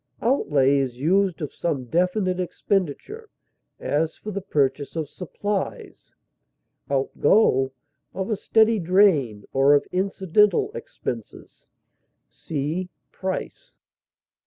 Outlay is used of some definite expenditure, as for the purchase of supplies; outgo of a steady drain or of incidental expenses. See PRICE.